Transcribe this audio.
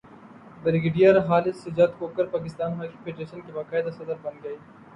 brigadier Khalid Sajjad Khokhar Pakistan hockey federation کے باقاعدہ صدر بن گئے